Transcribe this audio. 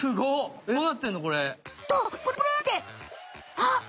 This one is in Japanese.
あっ！